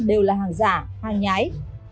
đều là hàng giả hàng nhái